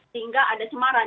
sehingga ada cemaran